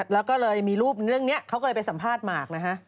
แล้วก็เลยมีรูปเรื่องนี้เขาก็เลยไปสัมภาษณ์หมากนะฮะ